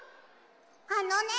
あのね